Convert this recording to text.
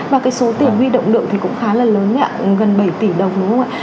và số tiền huy động lượng cũng khá là lớn gần bảy tỷ đồng đúng không ạ